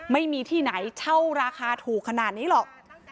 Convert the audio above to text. ไม่มีที่ไหนเช่าราคาถูกขนาดนี้หรอก